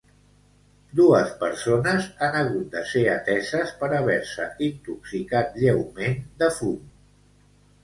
Dues persones han hagut de ser ateses per haver-se intoxicat lleument de fum.